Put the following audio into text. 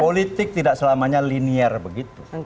politik tidak selamanya linear begitu